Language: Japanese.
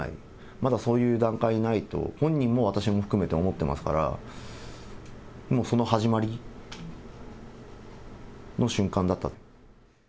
まだそういう段階にないと、本人も私も含めて思ってますから、もうその始まりの瞬間だった。